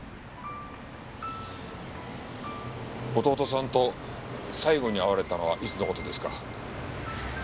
弟さんと最後に会われたのはいつの事ですか？